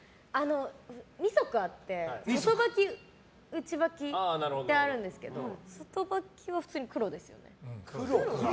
２足あって１足は内履きであるんですけど外履きは普通に黒ですよね。